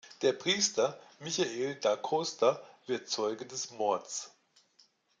Der Priester Michael Da Costa wird Zeuge des Mords.